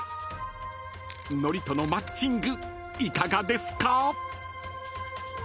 ［のりとのマッチングいかがですか？］